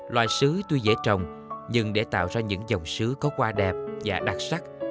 loài sứ tuy dễ trồng nhưng để tạo ra những dòng sứ có hoa đẹp và đặc sắc